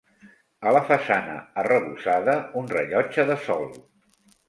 A la façana arrebossada, un rellotge de sol.